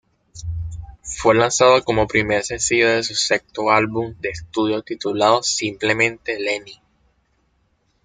Fue lanzado como primer sencillo de su sexto álbum de estudio titulado simplemente Lenny.